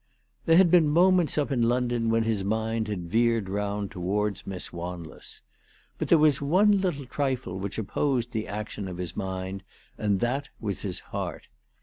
There had been moments up in London when his mind had veered round towards Miss Wanless. But there was one little trifle which opposed the action of his mind, and that was his heart.